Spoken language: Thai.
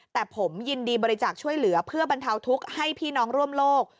แต่ผมยินดีบริจาคช่วยเหลือเพื่อบรรเทาทุกข์ให้พี่น้องร่วมโลก